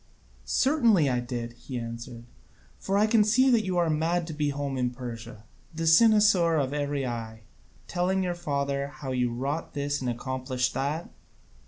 "Certainly I did," he answered, "for I can see that you are mad to be home in Persia, the cynosure of every eye, telling your father how you wrought this and accomplished that."